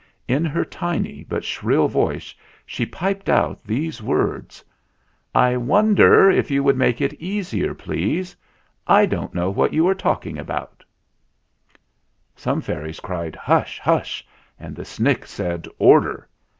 In her tiny but shrill voice she piped out these words : "I wonder if you would make it easier, please. I don't know what you are talking about!" 130 THE FLINT HEART Some fairies cried "Hush! hush!" and the Snick said "Order